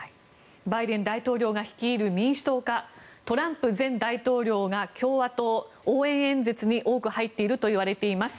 バイデン大統領が率いる民主党かトランプ前大統領が共和党応援演説に多く入っているといわれています。